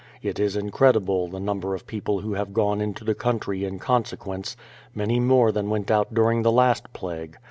It is incredible the number of people who have gone into the country in consequence — many more than went out during the last plague.